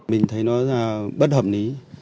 mình thấy nó là bất hợp lý